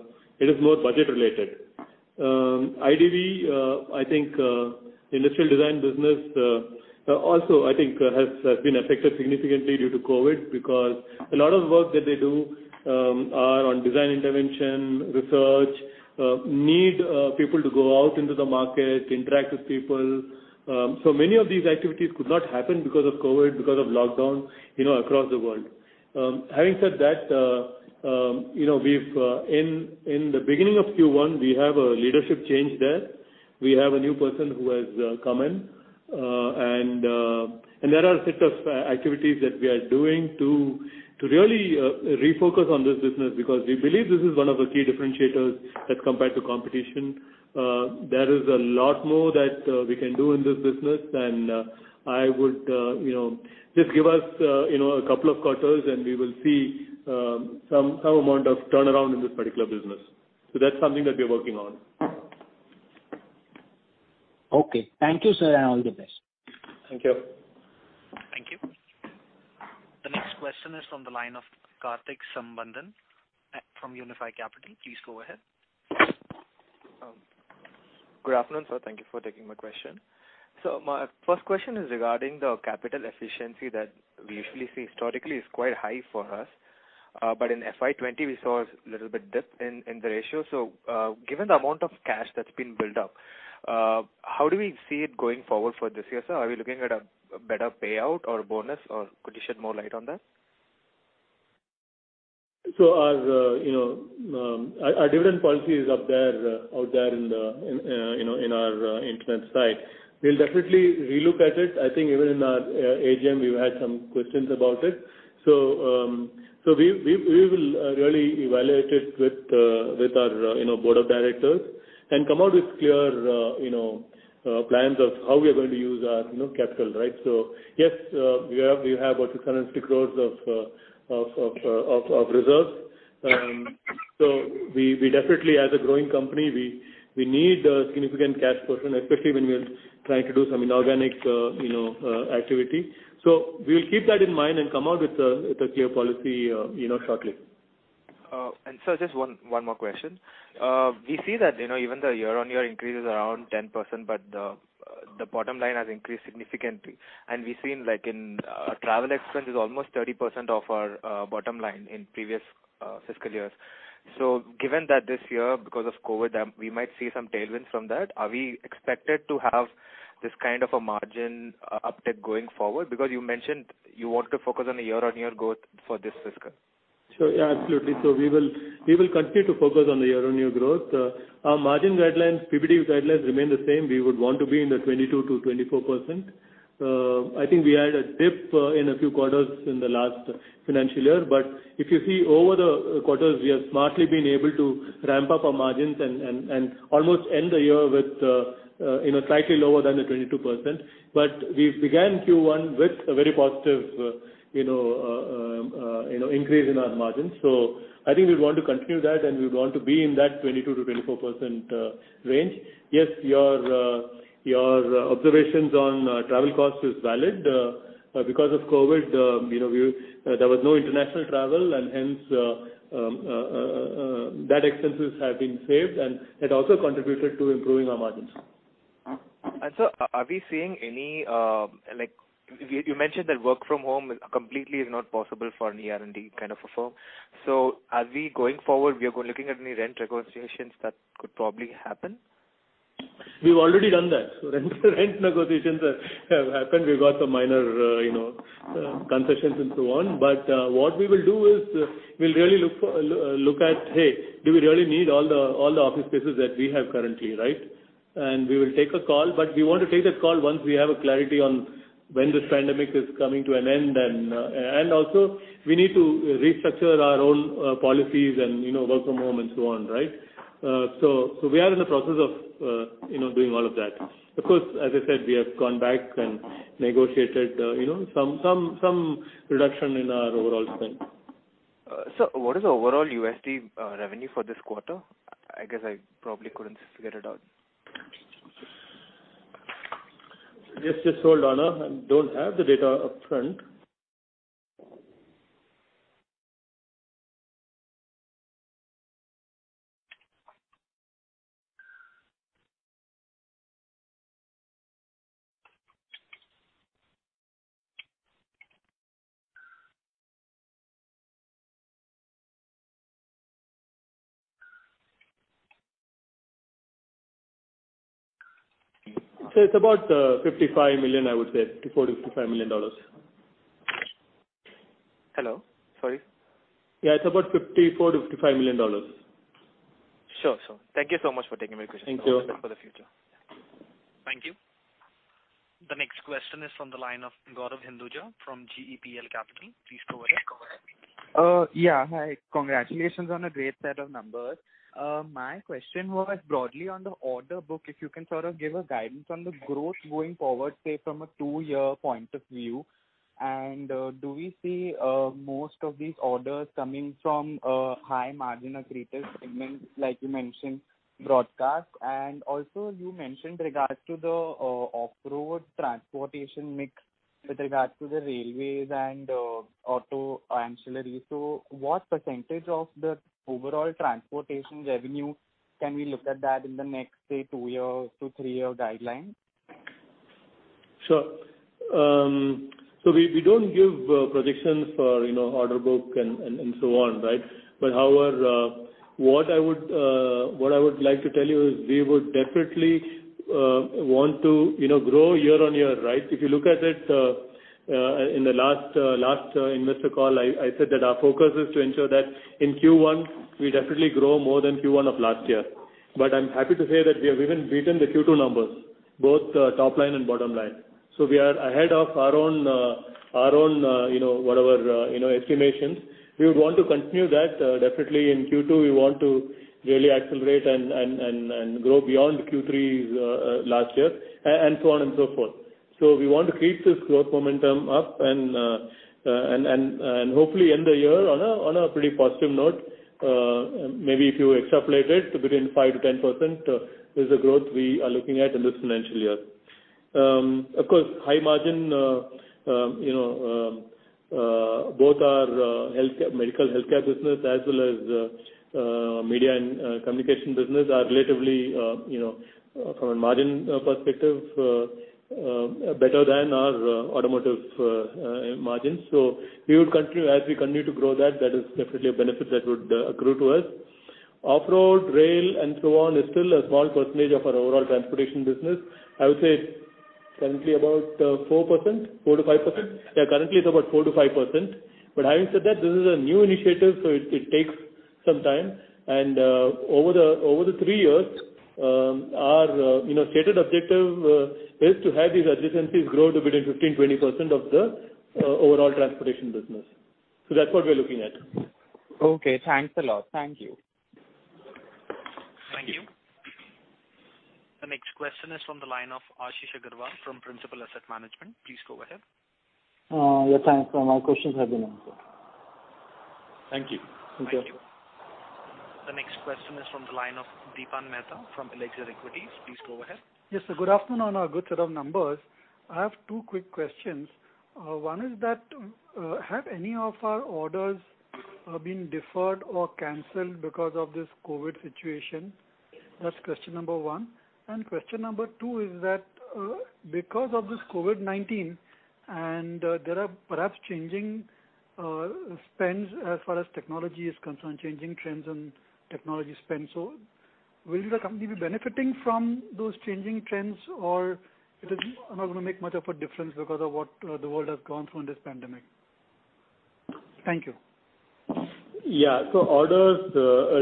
budget related. IDV, industrial design business, also, I think, has been affected significantly due to COVID because a lot of work that they do are on design intervention, research, need people to go out into the market, interact with people. Many of these activities could not happen because of COVID, because of lockdown across the world. Having said that, in the beginning of Q1, we have a leadership change there. We have a new person who has come in. There are a set of activities that we are doing to really refocus on this business because we believe this is one of the key differentiators as compared to competition. There is a lot more that we can do in this business, and just give us a couple of quarters and we will see some amount of turnaround in this particular business. That's something that we're working on. Okay. Thank you, sir, and all the best. Thank you. Thank you. The next question is from the line of Kartik Sambandan from Unifi Capital. Please go ahead. Good afternoon, sir. Thank you for taking my question. My first question is regarding the capital efficiency that we usually see historically is quite high for us. In FY 2020, we saw a little bit dip in the ratio. Given the amount of cash that's been built up, how do we see it going forward for this year, sir? Are we looking at a better payout or bonus, or could you shed more light on that? Our dividend policy is out there in our internet site. We'll definitely relook at it. I think even in our AGM, we've had some questions about it. We will really evaluate it with our board of directors and come out with clear plans of how we are going to use our capital, right? Yes, we have about 260 crores of reserves. We definitely, as a growing company, we need a significant cash cushion, especially when we're trying to do some inorganic activity. We'll keep that in mind and come out with a clear policy shortly. Sir, just one more question. We see that even the year-on-year increase is around 10%, but the bottom line has increased significantly. We've seen like in travel expense is almost 30% of our bottom line in previous fiscal years. Given that this year, because of COVID, we might see some tailwinds from that, are we expected to have this kind of a margin uptick going forward? You mentioned you want to focus on a year-on-year growth for this fiscal. Sure. Yeah, absolutely. We will continue to focus on the year-on-year growth. Our margin guidelines, PBT guidelines remain the same. We would want to be in the 22%-24%. I think we had a dip in a few quarters in the last financial year, but if you see over the quarters, we have smartly been able to ramp up our margins and almost end the year with slightly lower than the 22%. We began Q1 with a very positive increase in our margins. I think we'd want to continue that, and we'd want to be in that 22%-24% range. Yes, your observations on travel cost is valid. Because of COVID, there was no international travel and hence, that expenses have been saved and that also contributed to improving our margins. Sir, you mentioned that work from home completely is not possible for an R&D kind of a firm. Are we going forward, we are looking at any rent negotiations that could probably happen? We've already done that. Rent negotiations have happened. We got some minor concessions and so on. What we will do is, we'll really look at, hey, do we really need all the office spaces that we have currently, right? We will take a call, but we want to take that call once we have a clarity on when this pandemic is coming to an end, and also we need to restructure our own policies and work from home and so on, right? We are in the process of doing all of that. Of course, as I said, we have gone back and negotiated some reduction in our overall spend. Sir, what is the overall USD revenue for this quarter? I guess I probably couldn't figure it out. Just hold on. I don't have the data upfront. It's about $55 million, I would say. $54 million-$55 million. Hello? Sorry. Yeah. It's about $54, $55 million. Sure. Thank you so much for taking my question. Thank you. Best wishes for the future. Thank you. The next question is from the line of Gaurav Hinduja from GEPL Capital. Please go ahead. Yeah. Hi. Congratulations on a great set of numbers. My question was broadly on the order book, if you can sort of give a guidance on the growth going forward, say from a two-year point of view. Do we see most of these orders coming from high margin or critical segments, like you mentioned, broadcast. Also you mentioned regards to the off-road transportation mix with regards to the railways and auto ancillary. What % of the overall transportation revenue can we look at that in the next, say, two years to three-year guideline? Sure. We don't give predictions for order book and so on, right? However, what I would like to tell you is we would definitely want to grow year-on-year, right? If you look at it, in the last investor call, I said that our focus is to ensure that in Q1 we definitely grow more than Q1 of last year. I'm happy to say that we have even beaten the Q2 numbers, both top line and bottom line. We are ahead of our own estimations. We would want to continue that. Definitely in Q2, we want to really accelerate and grow beyond Q3 last year, and so on and so forth. We want to keep this growth momentum up and hopefully end the year on a pretty positive note. Maybe if you extrapolate it to between 5%-10% is the growth we are looking at in this financial year. Of course, high margin, both our medical healthcare business as well as media and communication business are relatively, from a margin perspective, better than our automotive margins. As we continue to grow that is definitely a benefit that would accrue to us. Off-road, rail, and so on is still a small percentage of our overall transportation business. I would say currently about 4%-5%. Yeah, currently it's about 4%-5%. Having said that, this is a new initiative, so it takes some time. Over the three years, our stated objective is to have these adjacencies grow to between 15%-20% of the overall transportation business. That's what we're looking at. Okay. Thanks a lot. Thank you. Thank you. The next question is from the line of Ashish Aggarwal from Principal Asset Management. Please go ahead. Yeah, thanks. My questions have been answered. Thank you. Thank you. Thank you. The next question is from the line of Dipan Mehta from Elixir Equities. Please go ahead. Yes, sir. Good afternoon. A good set of numbers. I have two quick questions. One is that, have any of our orders been deferred or canceled because of this COVID situation? That's question number 1. Question number 2 is that, because of this COVID-19, and there are perhaps changing spends as far as technology is concerned, changing trends on technology spend. Will the company be benefiting from those changing trends, or it is not going to make much of a difference because of what the world has gone through in this pandemic? Thank you. Yeah. Orders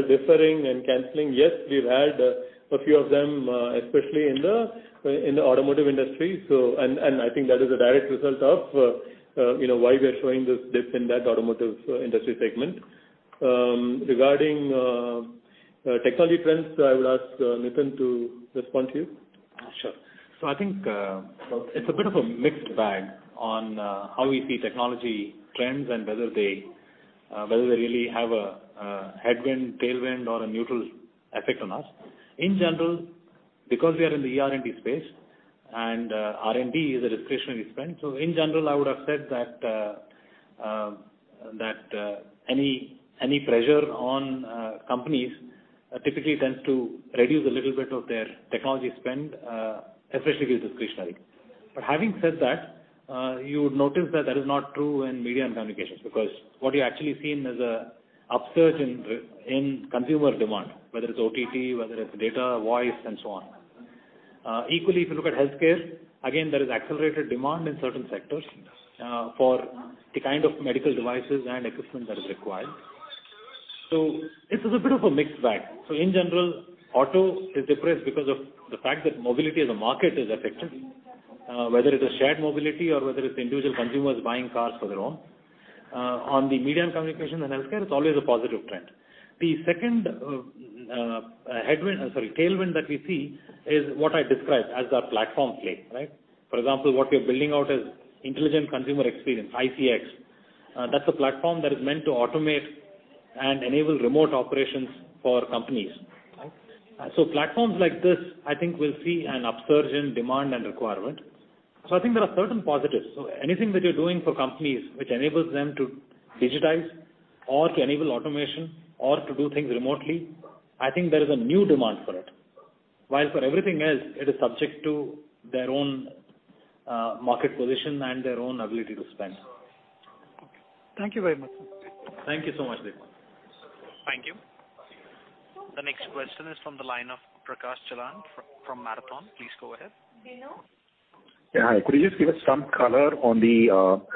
deferring and canceling. Yes, we've had a few of them, especially in the automotive industry. I think that is a direct result of why we are showing this dip in that automotive industry segment. Regarding technology trends, I would ask Nitin to respond to you. Sure. I think it's a bit of a mixed bag on how we see technology trends and whether they really have a headwind, tailwind, or a neutral effect on us. In general, because we are in the ER&D space and R&D is a discretionary spend, so in general, I would have said that any pressure on companies typically tends to reduce a little bit of their technology spend, especially if it's discretionary. Having said that, you would notice that that is not true in media and communications, because what you're actually seeing is an upsurge in consumer demand, whether it's OTT, whether it's data, voice, and so on. Equally, if you look at healthcare, again, there is accelerated demand in certain sectors for the kind of medical devices and equipment that is required. This is a bit of a mixed bag. In general, Auto is depressed because of the fact that mobility as a market is affected, whether it is shared mobility or whether it's individual consumers buying cars for their own. On the media and communication and healthcare, it's always a positive trend. The second tailwind that we see is what I described as our platform play, right? For example, what we are building out is intelligent consumer experience, iCX. That's a platform that is meant to automate and enable remote operations for companies. Right? Platforms like this, I think will see an upsurge in demand and requirement. I think there are certain positives. Anything that you're doing for companies which enables them to digitize or to enable automation or to do things remotely, I think there is a new demand for it. For everything else, it is subject to their own market position and their own ability to spend. Okay. Thank you very much. Thank you so much, Dipan. Thank you. The next question is from the line of Prakash Jalan from Marathon. Please go ahead. Hello. Yeah. Hi. Could you just give us some color on the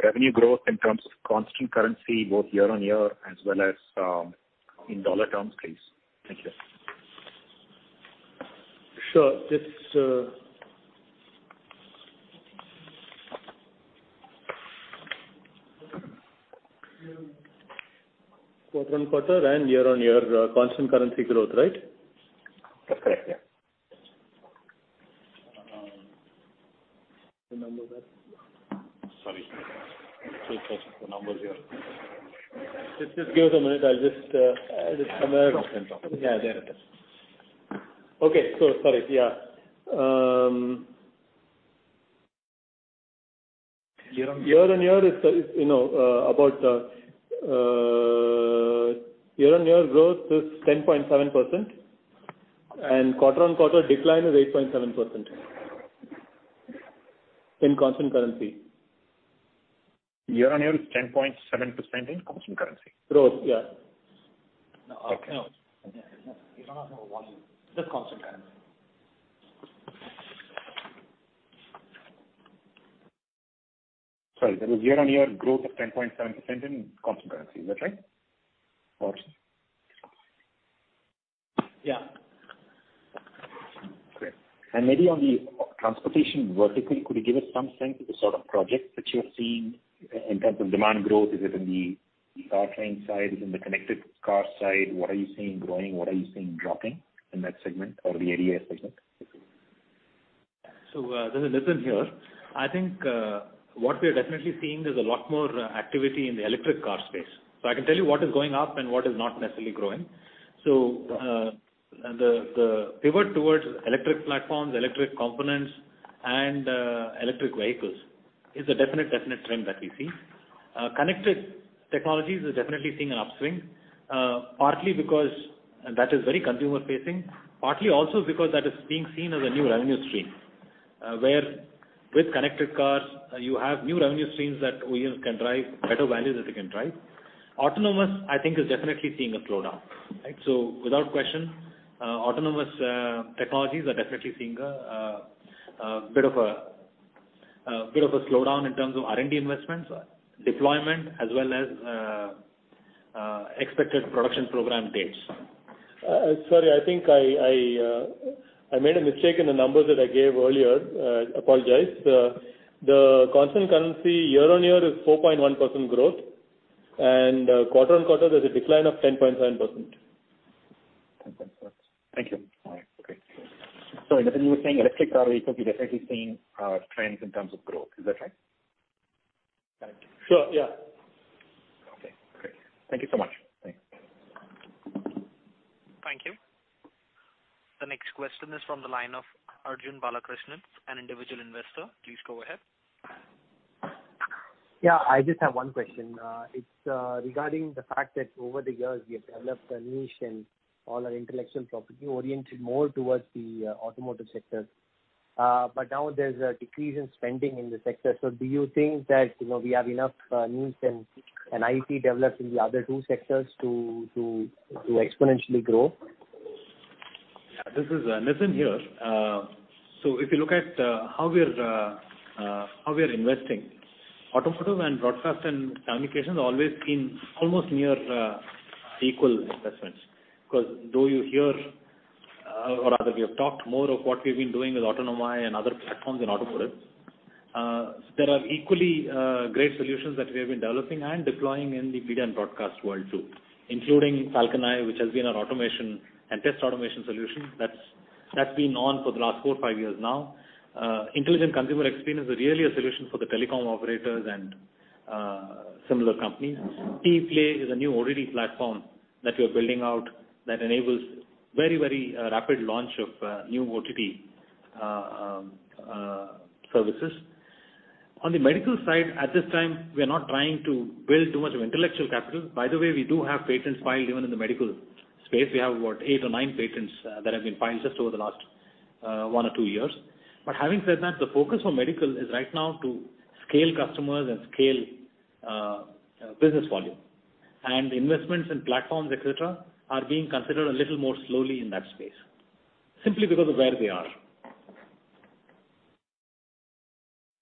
revenue growth in terms of constant currency, both year-on-year as well as in USD terms, please? Thank you. Sure. Quarter-on-quarter and year-on-year constant currency growth, right? That's correct, yeah. Remember that. Sorry. Actually searching for numbers here. Just give it a minute. I'll just add it somewhere. No problem. Yeah, there it is. Okay, cool. Sorry. Year-over-year is about growth is 10.7%. Quarter-over-quarter decline is 8.7% in constant currency. Year-on-year is 10.7% in constant currency? Growth, yeah. Okay. You don't have to have a volume, just constant currency. Sorry, that is year-on-year growth of 10.7% in constant currency. Is that right? Yeah. Great. Maybe on the transportation vertical, could you give us some sense of the sort of projects that you're seeing in terms of demand growth? Is it in the powertrain side? Is it in the connected car side? What are you seeing growing? What are you seeing dropping in that segment or the ADAS segment? This is Nitin here. I think what we're definitely seeing is a lot more activity in the electric car space. I can tell you what is going up and what is not necessarily growing. The pivot towards electric platforms, electric components, and electric vehicles is a definite trend that we see. Connected technologies is definitely seeing an upswing, partly because that is very consumer facing, partly also because that is being seen as a new revenue stream, where with connected cars, you have new revenue streams that OEMs can drive, better values that they can drive. Autonomous, I think, is definitely seeing a slowdown. Without question, autonomous technologies are definitely seeing a bit of a slowdown in terms of R&D investments, deployment, as well as expected production program dates. Sorry, I think I made a mistake in the numbers that I gave earlier. I apologize. The constant currency year-over-year is 4.1% growth, and quarter-over-quarter, there's a decline of 10.7%. 10.7%. Thank you. All right. Okay. You were saying electric car vehicles are definitely seeing trends in terms of growth. Is that right? Sure, yeah. Okay, great. Thank you so much. Thanks. Thank you. The next question is from the line of Arjun Balakrishnan, an individual investor. Please go ahead. Yeah, I just have one question. It's regarding the fact that over the years, we have developed a niche and all our intellectual property oriented more towards the automotive sector. Now there's a decrease in spending in the sector. Do you think that we have enough niche and IP developed in the other two sectors to exponentially grow? This is Nitin here. If you look at how we are investing, automotive and broadcast and communications have always been almost near equal investments. Though you hear, or rather we have talked more of what we've been doing with Autonomai and other platforms in automotive. There are equally great solutions that we have been developing and deploying in the media and broadcast world too, including FalconEye, which has been our automation and test automation solution. That's been on for the last four, five years now. Intelligent Consumer Experience is really a solution for the telecom operators and similar companies. TEPlay is a new ORE platform that we are building out that enables very rapid launch of new OTT services. On the medical side, at this time, we are not trying to build too much of intellectual capital. By the way, we do have patents filed even in the medical space. We have about eight or nine patents that have been filed just over the last one or two years. Having said that, the focus for medical is right now to scale customers and scale business volume. Investments in platforms, et cetera, are being considered a little more slowly in that space, simply because of where we are.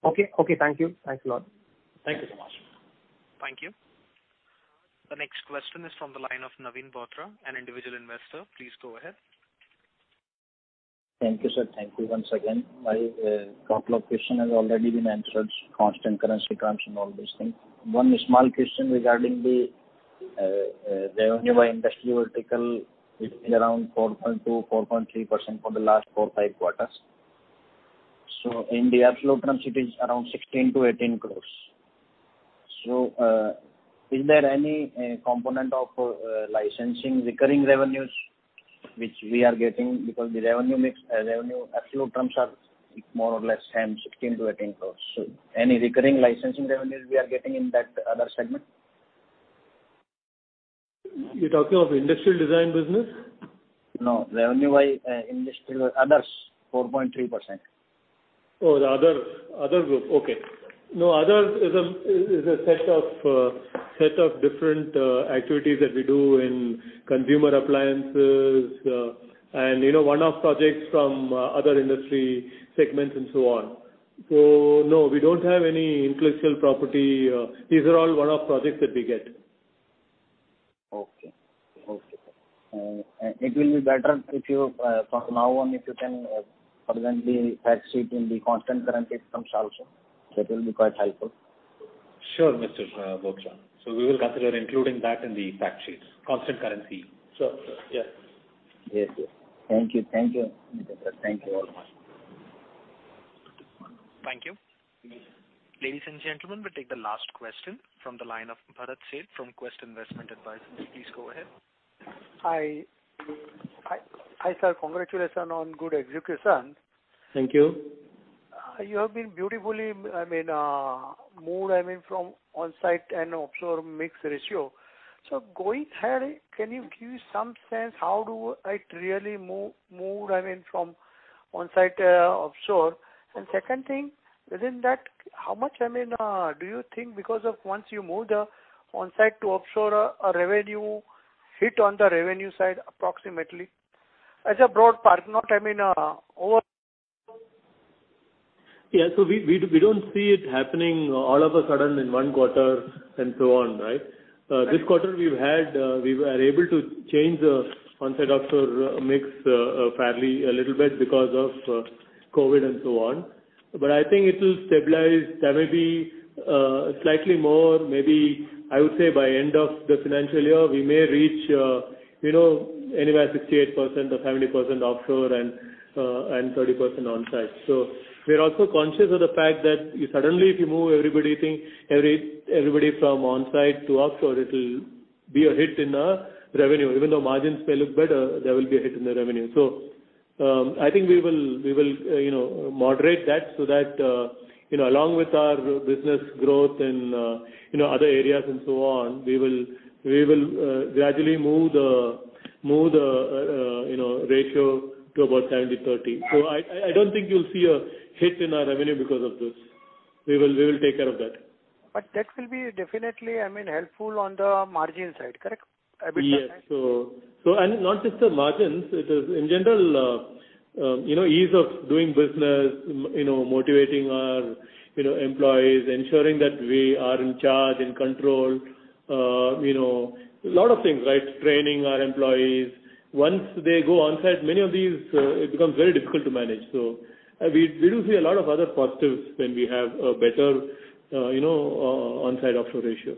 Okay. Thank you. Thanks a lot. Thank you so much. Thank you. The next question is from the line of Naveen Bothra, an individual investor. Please go ahead. Thank you, sir. Thank you once again. My couple of question has already been answered, constant currency trends and all these things. One small question regarding the revenue by industry vertical is around 4.2%-4.3% for the last four, five quarters. In the absolute terms, it is around 16-18 crores. Is there any component of licensing recurring revenues which we are getting? Because the revenue absolute terms are 16-18 crores. Any recurring licensing revenues we are getting in that other segment? You're talking of industrial design business? No, revenue by others, 4.3%. The other group. Okay. No, others is a set of different activities that we do in consumer appliances, and one-off projects from other industry segments and so on. No, we don't have any intellectual property. These are all one-off projects that we get. Okay. It will be better from now on if you can present the fact sheet in the constant currency terms also. That will be quite helpful. Sure, Mr. Bothra. We will consider including that in the fact sheets. Constant currency. Yes. Thank you all much. Thank you. Ladies and gentlemen, we will take the last question from the line of Bharat Sheth from Quest Investment Advisors. Please go ahead. Hi, sir. Congratulations on good execution. Thank you. You have been beautifully moved from on-site and offshore mix ratio. Going ahead, can you give some sense how do I really move from on-site to offshore? Second thing, within that, how much do you think because of once you move the on-site to offshore, a hit on the revenue side approximately? Yeah. We don't see it happening all of a sudden in one quarter and so on, right? This quarter we were able to change the on-site/offshore mix fairly a little bit because of COVID and so on. I think it will stabilize. There may be slightly more, maybe, I would say by end of the financial year, we may reach anywhere 68% or 70% offshore and 30% on-site. We are also conscious of the fact that suddenly if you move everybody from on-site to offshore, it'll be a hit in our revenue. Even though margins may look better, there will be a hit in the revenue. I think we will moderate that so that along with our business growth in other areas and so on, we will gradually move the ratio to about 70-30. I don't think you'll see a hit in our revenue because of this. We will take care of that. That will be definitely helpful on the margin side, correct? Yes. Not just the margins, it is in general, ease of doing business, motivating our employees, ensuring that we are in charge, in control. A lot of things. Training our employees. Once they go on-site, many of these, it becomes very difficult to manage. We do see a lot of other positives when we have a better on-site/offshore ratio.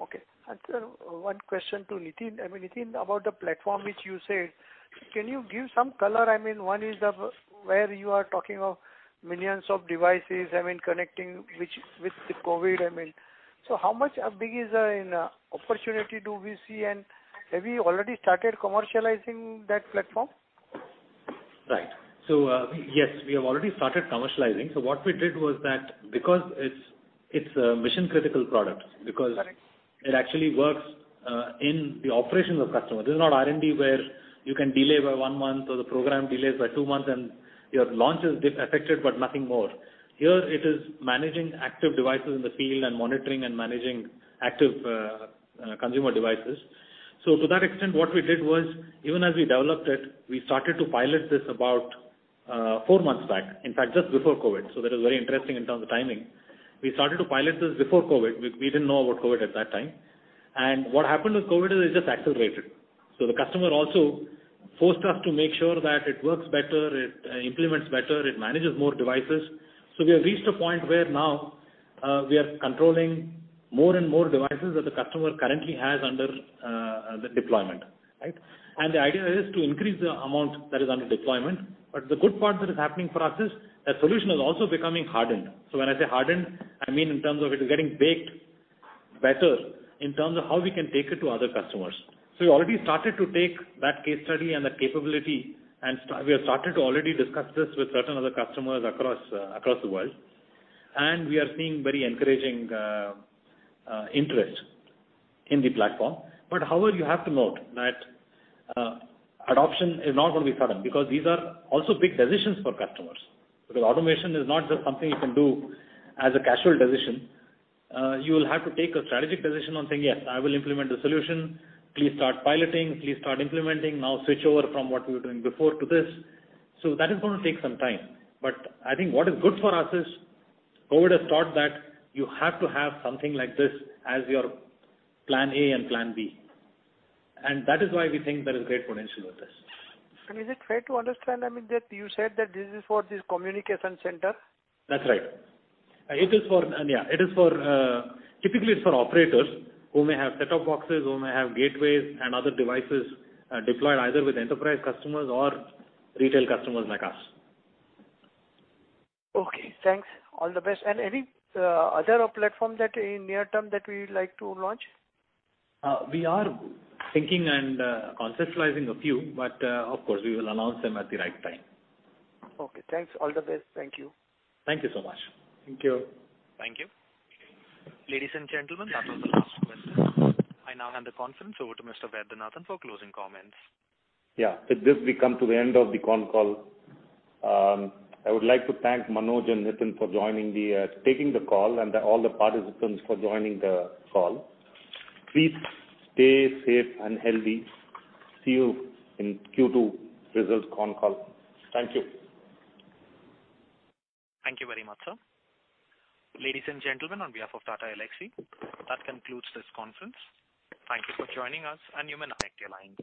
Okay. Sir, one question to Nitin. Nitin, about the platform which you said, can you give some color? One is where you are talking of millions of devices connecting with the COVID. How much of big is an opportunity do we see, and have you already started commercializing that platform? Right. Yes, we have already started commercializing. What we did was that because it's a mission-critical product. Correct. Because it actually works in the operations of customers. This is not R&D where you can delay by one month or the program delays by two months and your launch is affected, but nothing more. Here it is managing active devices in the field and monitoring and managing active consumer devices. To that extent, what we did was, even as we developed it, we started to pilot this about four months back. In fact, just before COVID. That is very interesting in terms of timing. We started to pilot this before COVID. We didn't know about COVID at that time. What happened with COVID is it just accelerated. The customer also forced us to make sure that it works better, it implements better, it manages more devices. We have reached a point where now we are controlling more and more devices that the customer currently has under the deployment. Right? The idea is to increase the amount that is under deployment. The good part that is happening for us is the solution is also becoming hardened. When I say hardened, I mean in terms of it is getting baked better in terms of how we can take it to other customers. We already started to take that case study and that capability, and we have started to already discuss this with certain other customers across the world. We are seeing very encouraging interest in the platform. However, you have to note that adoption is not going to be sudden, because these are also big decisions for customers. Automation is not just something you can do as a casual decision. You will have to take a strategic decision on saying, "Yes, I will implement the solution. Please start piloting. Please start implementing. Now switch over from what we were doing before to this." That is going to take some time. I think what is good for us is COVID has taught that you have to have something like this as your plan A and plan B. That is why we think there is great potential with this. Is it fair to understand that you said that this is for this communication center? That's right. Typically it's for operators who may have set-top boxes, who may have gateways and other devices deployed either with enterprise customers or retail customers like us. Okay, thanks. All the best. Any other platforms in near term that we would like to launch? We are thinking and conceptualizing a few, but of course we will announce them at the right time. Okay, thanks. All the best. Thank you. Thank you so much. Thank you. Thank you. Ladies and gentlemen, that was the last question. I now hand the conference over to Mr. Vaidyanathan for closing comments. With this, we come to the end of the con call. I would like to thank Manoj and Nitin for taking the call and all the participants for joining the call. Please stay safe and healthy. See you in Q2 result con call. Thank you. Thank you very much, sir. Ladies and gentlemen, on behalf of Tata Elxsi, that concludes this conference. Thank you for joining us, and you may now disconnect your lines.